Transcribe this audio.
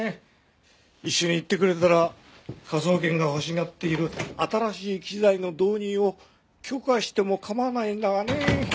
一緒に行ってくれたら科捜研が欲しがっている新しい機材の導入を許可しても構わないんだがねえ。